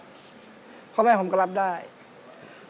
พ่อแม่พี่อาร์ตเขาว่าไงเขาก็รับได้ครับ